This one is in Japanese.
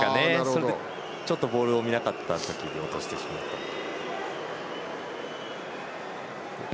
それでちょっとボールを見ずに落としてしまったと。